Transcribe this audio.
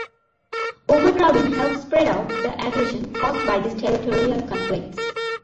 Overcrowding helps spread out the aggression caused by these territorial conflicts.